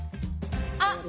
あっ！